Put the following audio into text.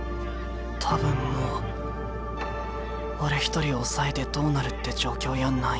多分もう俺一人抑えてどうなるって状況やないんや。